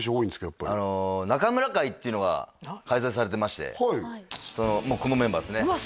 やっぱ中村会っていうのが開催されてましてこのメンバーですねうわ